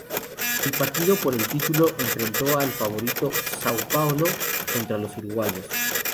El partido por el título, enfrentó al favorito, São Paulo, contra los uruguayos.